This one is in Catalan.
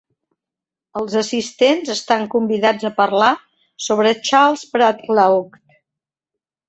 Els assistents estan convidats a parlar sobre Charles Bradlaugh.